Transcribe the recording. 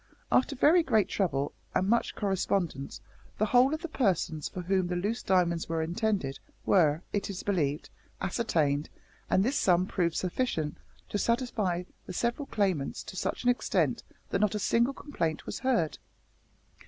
After very great trouble, and much correspondence, the whole of the persons for whom the loose diamonds were intended were, it is believed, ascertained, and this sum proved sufficient to satisfy the several claimants to such an extent that not a single complaint was heard.'"